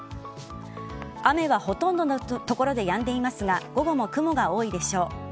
雨はほとんどの所でやんでいますが午後も雲が多いでしょう。